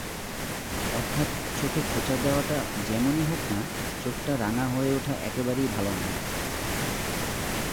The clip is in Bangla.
অর্থাৎ চোখে খোঁচা দেওয়াটা যেমনি হোক-না, চোখটা রাঙা হয়ে ওঠা একেবারেই ভালো নয়।